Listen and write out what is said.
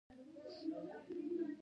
سپوږمۍ کې د ژوند لپاره لازم شرایط نشته